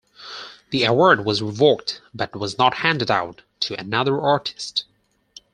The award was revoked, but was not handed out to another artist.